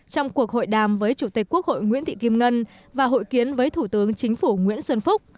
trong cuộc hội đàm với chủ tịch quốc hội nguyễn thị kim ngân và hội kiến với thủ tướng chính phủ nguyễn xuân phúc